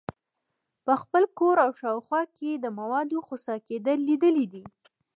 په خپل کور او شاوخوا کې د موادو خسا کیدل لیدلي دي.